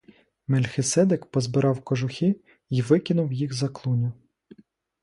Мельхиседек позабирав кожухи й викинув їх за клуню.